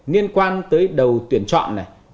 liên quan tới đầu tuyển chọn này